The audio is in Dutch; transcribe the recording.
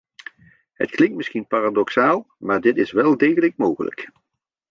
Het klinkt misschien paradoxaal, maar dit is wel degelijk mogelijk.